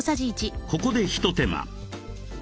ここで一手間。